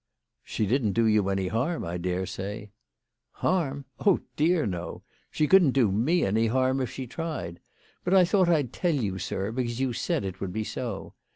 " She didn't do you any harm, I dare say." " Harm ; oh dear no ! She couldn't do me any harm if she tried. But I thought I'd tell you, sir, because you said it would be so.